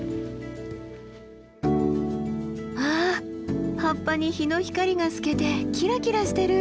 わあ葉っぱに日の光が透けてキラキラしてる。